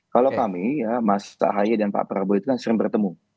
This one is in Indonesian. kalau kami ya mas tahaye dan pak prabowo itu kan sering bertemu